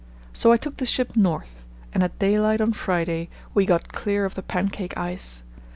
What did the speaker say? So I took the ship north, and at daylight on Friday we got clear of the pancake ice.